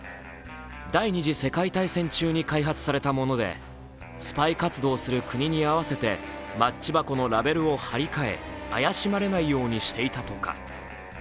第二次世界大戦中に開発されたものでスパイ活動する国に合わせてマッチ箱のラベルを貼り替え怪しまれないようにしていたとか。